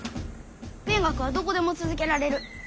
勉学はどこでも続けられる。